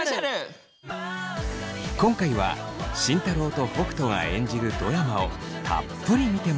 今回は慎太郎と北斗が演じるドラマをたっぷり見てもらいます。